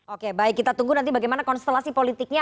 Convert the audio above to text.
oke baik kita tunggu nanti bagaimana konstelasi politiknya